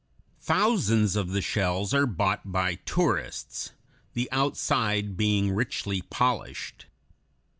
Thousands of the shells are bought by tourists, the outside being richly polished.